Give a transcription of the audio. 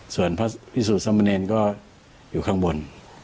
ส่วนพระพิสุสมเนรก็อยู่ข้างบน